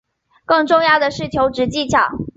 更重要的是求职技巧